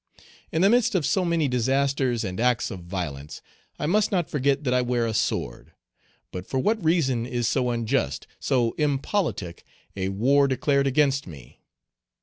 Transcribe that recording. In the midst of so many disasters and acts of violence, I must not forget that I wear a sword. But, for what reason is so unjust, so impolitic, a war declared against me?